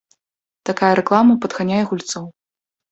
Такая рэклама падганяе гульцоў.